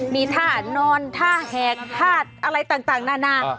มีท่านอนท่าแหกธาตุอะไรต่างนานา